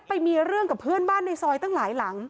ไปมีเรื่องกับเพื่อนบ้านในซอยตั้งหลายหลัง